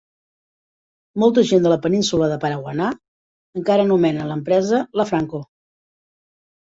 Molta gent de la península de Paraguaná encara anomenen l'empresa "La Franco".